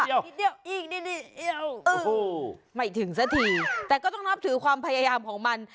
อีกนิดเดียวอีกนิดเดียวไม่ถึงสักทีแต่ก็ต้องนับถือความพยายามของมัน